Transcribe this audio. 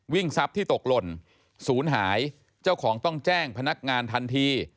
ทรัพย์ที่ตกหล่นศูนย์หายเจ้าของต้องแจ้งพนักงานทันที